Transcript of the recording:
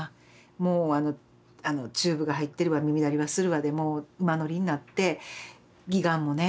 もうチューブが入ってるわ耳鳴りはするわでもう馬乗りになって義眼もね